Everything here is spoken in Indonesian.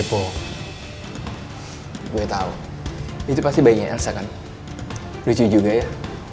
gue tahu itu pasti bayinya elsa kan lucu juga ya